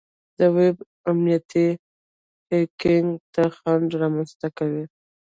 د ویب امنیت هیکینګ ته خنډ رامنځته کوي.